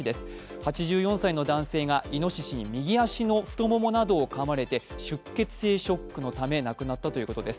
８４歳の男性がいのししに右足の太ももなどをかまれて出血性ショックのため亡くなったということです。